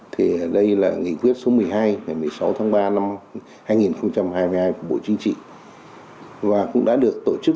thì đây là nghị quyết số một mươi hai ngày một mươi sáu tháng ba năm hai nghìn hai mươi hai của bộ chính trị và cũng đã được tổ chức